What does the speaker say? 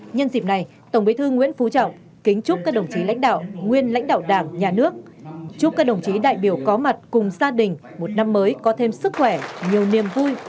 nhân dịp này tổng bí thư nguyễn phú trọng kính chúc các đồng chí lãnh đạo nguyên lãnh đạo đảng nhà nước chúc các đồng chí đại biểu có mặt cùng gia đình một năm mới có thêm sức khỏe nhiều niềm vui